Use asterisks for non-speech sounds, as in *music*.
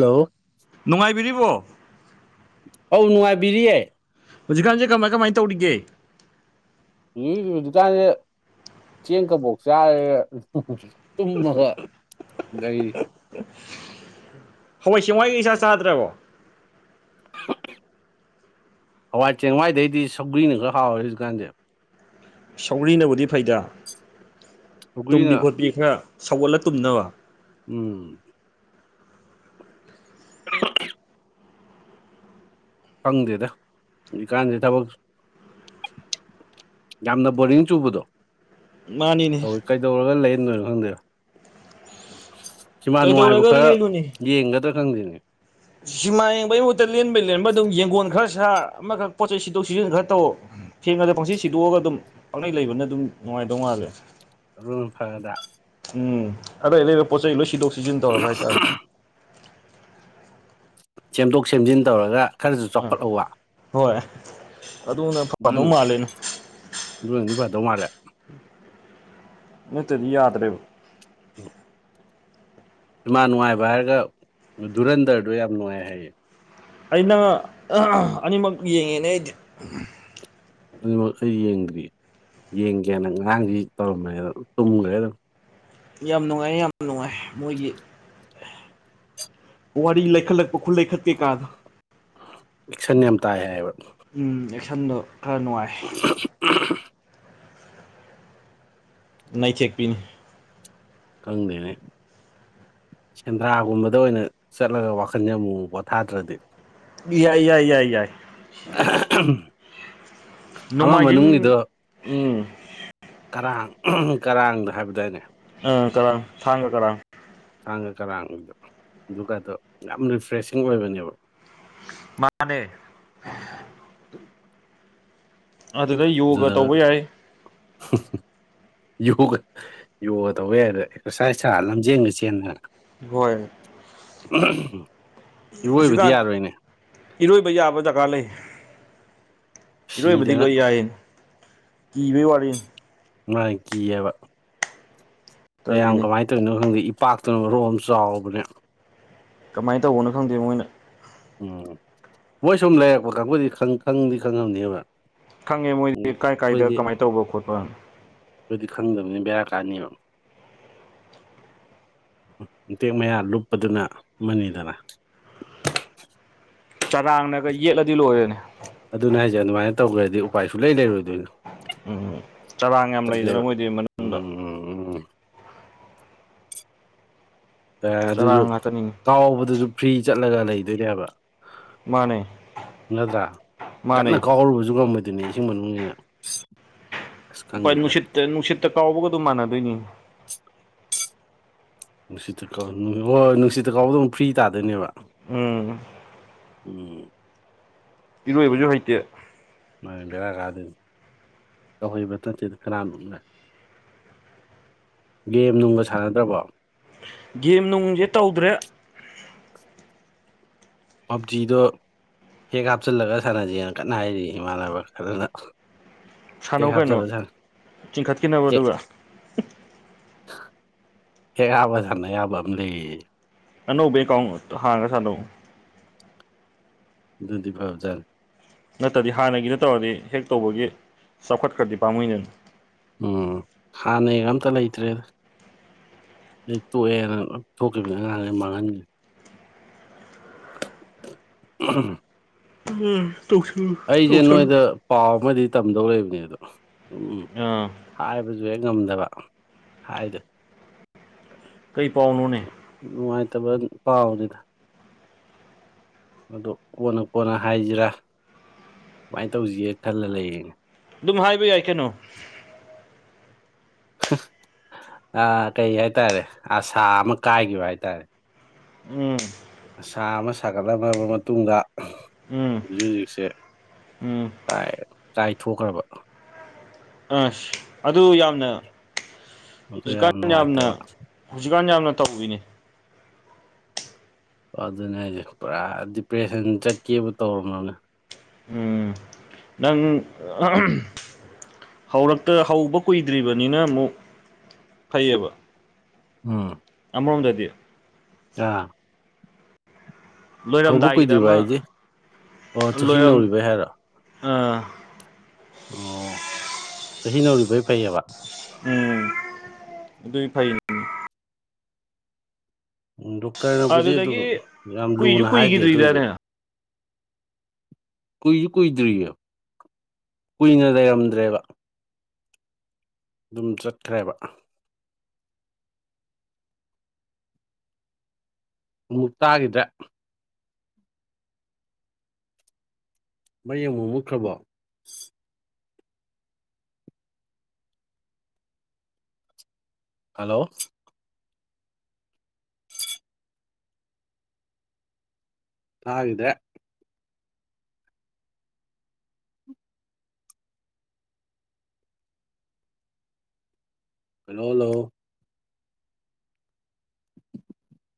hello ꯅꯨꯉꯥꯏꯕꯤꯔꯤꯕꯣ ꯑꯧ ꯅꯨꯉꯥꯏꯕꯤꯔꯤꯌꯦ ꯍꯧꯖꯤꯛꯀꯥꯟꯖꯦ ꯀꯃꯥꯏ ꯀꯃꯥꯏ ꯇꯧꯔꯤꯒꯦ *inaudible* ꯖꯤꯀꯥꯟꯁꯦ ꯆꯦꯡ ꯀꯕꯣꯛ ꯆꯥꯔꯦ ꯇꯨꯝꯃꯒ *inaudible* *inaudible* ꯍꯋꯥꯏ ꯆꯦꯡꯋꯥꯏꯒ ꯏꯆꯥ ꯆꯥꯗ꯭ꯔꯕꯣ ꯍꯋꯥꯏ ꯆꯦꯡꯋꯥꯏꯗꯩꯗꯤ ꯁꯧꯒ꯭ꯔꯤꯅ ꯈꯔ ꯍꯥꯎꯔꯦ ꯍꯧꯖꯤꯛꯀꯥꯟꯗꯤ ꯁꯧꯒ꯭ꯔꯤꯅꯕꯨꯗꯤ ꯐꯩꯗ ꯇꯨꯝꯕꯤ ꯁꯧꯒ꯭ꯔꯤꯅ ꯈꯣꯠꯄꯤ ꯈꯔ ꯁꯧꯒꯠꯂ ꯇꯨꯝꯅꯕ ꯎꯝ *inaudible* ꯐꯪꯗꯦꯗ ꯍꯧꯖꯤꯛꯀꯥꯟꯁꯦ ꯊꯕꯛ ꯌꯥꯝꯅ ꯕꯣꯔꯤꯡ ꯆꯨꯕꯗꯣ ꯃꯥꯅꯤꯅꯦ ꯇꯧꯋꯤ ꯀꯩꯗꯧꯔꯒ ꯂꯩꯔꯗꯣꯏꯅꯣ ꯈꯪꯗꯦꯕ ꯁꯤꯃꯥ ꯅꯨꯡꯉꯥꯏꯕ ꯀꯩꯗꯧꯔꯒ ꯈꯔ ꯂꯦꯜꯂꯨꯅꯤ ꯌꯦꯡꯒꯗ꯭ꯔꯥ ꯈꯪꯗꯦꯅꯦ ꯁꯤꯃꯥ ꯌꯦꯡꯕꯩ ꯃꯍꯨꯠꯇ ꯂꯦꯟꯕꯩ ꯂꯦꯟꯕ ꯑꯗꯨꯝ ꯌꯦꯡꯒꯣꯟ ꯈꯔ ꯁꯥꯔ ꯑꯃꯈꯛ ꯄꯣꯠꯆꯩ ꯁꯤꯠꯗꯣꯛ ꯁꯤꯖꯤꯟ ꯈꯔ ꯇꯧ ꯊꯦꯡꯅꯗ ꯄꯪꯁꯤꯠ ꯁꯤꯗꯣꯛꯑꯒ ꯑꯗꯨꯝ ꯄꯪꯅꯩ ꯂꯩꯕꯅ ꯑꯗꯨꯝ ꯅꯨꯡꯉꯥꯏꯗꯧ ꯃꯥꯜꯂꯦ ꯑꯗꯨꯅ ꯐꯔꯗꯥ ꯎꯝ ꯑꯔꯩ ꯑꯔꯩꯕ ꯄꯣꯠ ꯆꯩꯩ ꯂꯣꯏ ꯁꯤꯗꯣꯛ ꯁꯤꯖꯤꯟ ꯇꯧꯔꯒ ꯍꯥꯏꯇꯥꯔꯦ ꯁꯦꯝꯗꯣꯛ ꯁꯦꯝꯖꯤꯟ ꯇꯧꯔꯒ ꯈꯔꯁꯨ ꯑꯥ ꯆꯥꯎꯈꯠꯍꯧꯕ ꯍꯣꯏ ꯑꯗꯨꯅ ꯑꯗꯨꯝ ꯐꯗꯧ ꯃꯥꯜꯂꯦꯅꯦ ꯑꯗꯨꯅꯗꯤ ꯐꯗꯧ ꯃꯥꯜꯂꯦ ꯅꯠꯇꯗꯤ ꯌꯥꯗ꯭ꯔꯦꯕ *unintelligible* ꯃꯥ ꯅꯨꯡꯉꯥꯏꯕ ꯍꯥꯏꯔꯒ ꯗꯨꯔꯟꯗꯔꯗꯣ ꯌꯥꯝ ꯅꯨꯡꯉꯥꯏ ꯍꯥꯏꯌꯦ ꯑꯩ ꯅꯪ *unintelligible* ꯑꯅꯤꯃꯛ ꯌꯦꯡꯉꯦꯅꯦ ꯑꯩꯗꯤ ꯑꯅꯤꯃꯛ ꯑꯩ ꯌꯦꯡꯗ꯭ꯔꯤ ꯌꯦꯡꯒꯦꯅ ꯉꯔꯥꯡꯗꯤ ꯇꯧꯔꯝꯕꯅꯦ ꯑꯗꯣ ꯇꯨꯝꯒꯔꯦ ꯑꯗꯨꯝ ꯌꯥꯝ ꯅꯨꯡꯉꯥꯏ ꯌꯥꯝ ꯅꯨꯡꯉꯥꯏ ꯃꯣꯏꯒꯤ ꯋꯥꯔꯤ ꯂꯩꯈꯠꯂꯛꯄ ꯈꯨꯜ ꯂꯩꯈꯠ ꯀꯩ ꯀꯥꯗꯣ ꯑꯦꯛꯁꯟ ꯌꯥꯝ ꯇꯥꯏ ꯍꯥꯏꯌꯦꯕ ꯎꯝ ꯑꯦꯛꯁꯟꯗꯣ ꯈꯔ ꯅꯨꯡꯉꯥꯏ *unintelligible* ꯅꯩꯊꯦꯛꯄꯤꯅꯤ ꯈꯪꯗꯦꯅꯦ ꯁꯦꯟꯗ꯭ꯔꯥꯒꯨꯝꯕꯗ ꯑꯣꯏꯅ ꯆꯠꯂꯒ ꯋꯥꯈꯟꯖꯦ ꯑꯃꯨ ꯃꯨꯛ ꯄꯣꯊꯥꯗ꯭ꯔꯗꯤ ꯌꯥꯏ ꯌꯥꯏ ꯌꯥꯏ ꯌꯥꯏ ꯑꯃ ꯃꯅꯨꯡꯒꯤꯗꯣ ꯅꯣꯡꯃꯥꯏꯖꯤꯡ ꯎꯝ ꯀꯔꯥꯡ ꯀꯔꯥꯡꯗ ꯍꯥꯏꯕꯗꯥꯏꯅꯦ ꯑ ꯀꯔꯥꯡ ꯊꯥꯡꯒ ꯀꯔꯥꯡ ꯊꯥꯡꯒ ꯀꯔꯥꯡꯗꯣ ꯑꯗꯨꯒꯗꯣ ꯌꯥꯝ ꯔꯤꯐ꯭ꯔꯦꯁꯤꯡ ꯑꯣꯏꯕꯅꯦꯕ ꯃꯥꯅꯦ ꯑꯗꯨꯗ ꯌꯣꯒ ꯇꯧꯕ ꯑꯗꯨꯗꯒ ꯌꯥꯏ *unintelligible* ꯌꯣꯒ ꯌꯣꯒ *unintelligible* ꯁꯥꯔ ꯂꯝꯖꯦꯟꯒ ꯆꯦꯟꯗꯅ ꯍꯣꯏ ꯏꯔꯣꯏꯕꯗꯤ ꯍꯧꯖꯤꯛꯀꯥꯟ ꯌꯥꯔꯣꯏꯅꯦ ꯏꯔꯣꯏꯕ ꯌꯥꯕ ꯗꯔꯀꯥꯔ ꯂꯩ ꯏꯔꯣꯏꯕꯗꯤ ꯁꯤꯗꯅ ꯂꯣꯏ ꯌꯥꯏ ꯀꯤꯕꯩ ꯋꯥ ꯃꯅꯤ ꯀꯤꯍꯥꯏꯕ ꯀꯌꯥꯝ ꯇꯜꯂꯤꯅꯤ ꯀꯃꯥꯏꯅ ꯇꯧꯏꯅꯣ ꯈꯪꯗꯦ ꯏꯄꯥꯛꯇꯨꯅ ꯃꯔꯨꯟ ꯑꯃ ꯆꯥꯎꯕꯅꯦ ꯀꯃꯥꯏꯟ ꯇꯧꯕꯅꯣ ꯈꯪꯗꯦ ꯃꯣꯏꯅ ꯎꯝ ꯃꯣꯏ ꯁꯨꯝ ꯂꯩꯔꯛꯄ ꯀꯥꯡꯕꯨꯗꯤ ꯈꯪ ꯈꯪꯗꯤ ꯈꯪꯉꯝꯅꯦꯕ ꯈꯪꯉꯦ ꯃꯣꯏꯗꯤ ꯎꯝ ꯀꯥꯏ ꯀꯥꯏꯗ ꯀꯃꯥꯏ ꯇꯧꯕ ꯈꯣꯠꯄꯅ ꯈꯣꯏꯗꯤ ꯈꯪꯗꯕꯅꯤꯅ ꯕꯦꯔꯥ ꯀꯥꯅꯤꯕ ꯃꯇꯦꯛ ꯃꯌꯥ ꯂꯨꯞꯄꯗꯨꯅ ꯑꯃꯅꯤꯗꯅ ꯆꯔꯥꯡꯅꯒ ꯌꯦꯠꯂꯗꯤ ꯂꯣꯏꯔꯦꯅꯦ ꯑꯗꯨꯅꯦ ꯍꯥꯏꯁꯦ ꯑꯗꯨꯃꯥꯏ ꯇꯧꯒꯔꯗꯤ ꯎꯄꯥꯏ ꯁꯨꯂꯩ ꯂꯩꯔꯣꯏꯗꯣꯏꯅꯦ ꯎꯝ ꯆꯔꯥꯡ ꯌꯥꯝ ꯂꯩꯗꯅ ꯃꯣꯏꯗꯤ ꯃꯅꯨꯡ ꯎꯝ ꯎꯝ ꯆꯔꯥ ꯑꯗꯨꯁꯨ ꯉꯥꯛꯇꯅꯤꯅꯦ ꯀꯥꯎꯕꯗꯨꯁꯨ ꯐ꯭ꯔꯤ ꯆꯠꯂꯒ ꯂꯩꯗꯣꯏꯅꯦꯕ ꯃꯥꯅꯦ ꯅꯗ꯭ꯔꯥ ꯀꯟꯅ ꯃꯥꯅꯦ ꯀꯥꯎꯍꯔꯨꯕꯁꯨ ꯉꯝꯕꯗꯨꯅꯤ ꯁꯤꯡ ꯃꯅꯨꯡꯅꯤꯅ ꯑꯁ ꯍꯣꯏ ꯈꯪꯗꯦꯗ ꯅꯨꯡꯁꯤꯠꯇ ꯅꯨꯡꯁꯤꯠꯇ ꯀꯥꯎꯕꯒ ꯑꯗꯨꯝ ꯃꯥꯟꯅꯗꯣꯏꯅꯤ ꯅꯨꯡꯁꯤꯠꯇꯥ ꯀꯥꯎ ꯍꯣꯏ ꯅꯨꯡꯁꯤꯠꯇ ꯀꯥꯎꯕꯗꯧꯅ ꯐ꯭ꯔꯤ ꯇꯥꯗꯣꯏꯅꯦꯕ ꯎꯝ ꯎꯝ ꯏꯔꯣꯏꯕꯁꯨ ꯍꯩꯇꯦ ꯃꯥꯅꯦ ꯕꯦꯔꯥ ꯀꯥꯗꯣꯏꯅꯦ ꯇꯧꯍꯩꯕ ꯅꯠꯇꯦꯗ ꯀꯅꯥꯅ ꯒꯦꯝ ꯅꯨꯡꯒ ꯁꯥꯟꯅꯗ꯭ꯔꯕꯣ ꯒꯦꯝ ꯅꯨꯡꯖꯦ ꯇꯧꯗ꯭ꯔꯦ ꯄꯞꯖꯤꯗꯣ ꯍꯦꯛ ꯍꯥꯞꯆꯤꯜꯂꯒ ꯁꯥꯟꯅꯖꯦꯅ ꯀꯟꯅ ꯍꯥꯏꯔꯤ ꯏꯃꯥꯟꯅꯕ ꯈꯔꯅ ꯁꯥꯟꯅꯧ ꯀꯩꯅꯣ ꯆꯤꯡꯈꯠꯈꯤꯅꯕ ꯑꯗꯨꯒ *unintelligible* ꯍꯦꯛ ꯍꯞꯄꯥ ꯁꯟꯅ ꯌꯥꯕꯥ ꯑꯝ ꯂꯩꯌꯦꯌꯦ ꯑꯅꯧꯕ ꯑꯦꯀꯥꯎꯟ ꯍꯥꯡꯉꯒ ꯁꯥꯥꯟꯅꯧꯋꯣ ꯑꯗꯨꯅꯗꯤ ꯐꯕ ꯖꯥꯅꯤ ꯅꯠꯇ꯭ꯔꯗꯤ ꯍꯥꯟꯅꯒꯤꯗꯣ ꯇꯧꯔꯗꯤ ꯍꯦꯛ ꯇꯧꯕꯒꯤ ꯆꯥꯎꯈꯠꯈ꯭ꯔꯗꯤ ꯄꯥꯝꯃꯨꯏꯗꯅ ꯎꯝ ꯍꯥꯟꯅꯩꯒ ꯑꯝꯇ ꯂꯩꯇ꯭ꯔꯦ ꯑꯩ ꯇꯣꯛꯑꯦꯅ ꯊꯣꯛꯈꯤꯕꯗꯅ *unintelligible* ꯃꯥꯡꯍꯟꯒꯤ ꯑꯩꯖꯦ ꯅꯣꯏꯗꯥ ꯄꯥꯎ ꯑꯃꯗꯤ ꯇꯝꯗꯧ ꯂꯩꯕꯅꯦ ꯑꯗꯣ ꯎꯝ ꯎꯝ ꯑꯥ ꯍꯥꯏꯕꯖꯧ ꯍꯦꯛ ꯉꯝꯗꯕ ꯍꯥꯏꯗꯣ ꯀꯩ ꯄꯥꯎꯅꯣꯅꯦ ꯅꯨꯡꯉꯥꯏꯇꯕ ꯄꯥꯎꯅꯤꯗ ꯑꯗꯨ ꯀꯣꯟꯅ ꯀꯣꯟꯅ ꯍꯥꯏꯖꯤꯔꯥ ꯀꯃꯥꯏꯅ ꯇꯧꯖꯤꯒꯦ ꯈꯜꯂ ꯂꯩꯔꯤꯅꯦ ꯑꯗꯨꯝ ꯍꯥꯏꯕ ꯌꯥꯏ ꯀꯩꯅꯣ ꯑꯥ ꯀꯩ ꯍꯥꯏꯇꯥꯔꯦ ꯑꯁꯥ ꯑꯃ ꯀꯥꯏꯒꯤꯕ ꯍꯥꯏꯇꯥꯔꯦ ꯎꯝ ꯑꯁꯥ ꯑꯃ ꯁꯥꯒꯠꯂꯝꯂꯕ ꯃꯇꯨꯡꯗ ꯎꯝ ꯍꯧꯖꯤꯛ ꯍꯧꯖꯤꯛꯁꯦ ꯎꯝ ꯀꯥꯏꯊꯣꯛꯈ꯭ꯔꯕ ꯑꯥꯁ ꯑꯗꯨ ꯌꯥꯝꯅ ꯑꯗꯨ ꯍꯧꯖꯤꯛꯀꯥꯟ ꯌꯥꯝ ꯌꯥꯝꯅ ꯅꯨꯡꯉꯥꯏꯇꯕ ꯍꯧꯖꯤꯛꯀꯥꯟ ꯌꯥꯝꯅ ꯇꯧꯔꯤꯅꯤ ꯑꯗꯨꯅꯦ ꯍꯥꯏꯖꯦ ꯄꯨꯔꯥ ꯗꯤꯄ꯭ꯔꯦꯁꯟ ꯆꯠꯀꯦꯕꯨ ꯇꯧꯔꯝꯃꯥꯝꯅꯦ ꯎꯝ ꯅꯪ ꯍꯧꯔꯛꯇ ꯍꯧꯕ ꯀꯨꯏꯗ꯭ꯔꯤꯕꯅꯤꯅ ꯑꯃꯨꯛ ꯐꯩꯌꯦꯕ ꯎꯝ ꯑꯃꯔꯣꯝꯗꯗꯤ *unintelligible* ꯍꯧꯕ ꯂꯣꯏꯔꯝꯗꯥꯏꯒꯤꯗ ꯀꯨꯏꯗ꯭ꯔꯤꯕ ꯑꯃ ꯍꯥꯏꯗꯤ ꯑꯣ ꯆꯍꯤ ꯂꯣꯏꯔꯝ ꯅꯧꯔꯤꯕꯩ ꯍꯥꯏꯔꯣ ꯑꯥ ꯑꯣ ꯆꯍꯤ ꯅꯧꯔꯤꯕꯩ ꯐꯩꯌꯦꯕ ꯎꯝ ꯑꯗꯨꯏ ꯐꯥꯏꯅꯦ ꯗꯣꯛꯇꯔꯅꯕꯨꯗꯤ ꯑꯗꯨꯝ ꯑꯗꯨꯗꯒꯤ ꯌꯥꯝ ꯀꯨꯏꯁꯨ ꯂꯨꯅ ꯍꯥꯏꯗꯦ ꯑꯗꯨꯏꯖꯨ ꯀꯨꯏꯈꯤꯗ꯭ꯔꯤꯗꯅꯦ ꯀꯨꯏꯖꯨ ꯀꯨꯏꯗ꯭ꯔꯤ ꯀꯨꯏꯅ ꯂꯩꯔꯝꯗ꯭ꯔꯦꯕ ꯑꯗꯨꯝ ꯆꯠꯈ꯭ꯔꯦꯕ ꯑꯃꯨꯛ ꯇꯥꯒꯤꯗ꯭ꯔꯦ ꯃꯔꯤ ꯑꯃꯨꯛ ꯃꯨꯠꯈ꯭ꯔꯕꯣ ꯍꯜꯂꯣ ꯇꯥꯒꯤꯗ꯭ꯔꯦ ꯍꯜꯂꯣ ꯍꯜꯂꯣ *inaudible*